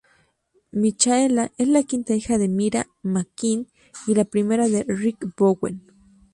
Michaela es la quinta hija de Myra McQueen y la primera de Ricky Bowen.